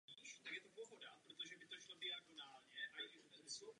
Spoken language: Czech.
Tou dobou její otec pracoval v Japonsku jako trvalý vyslanec Evropské unie.